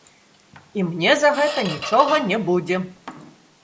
І мне за гэта нічога не будзе!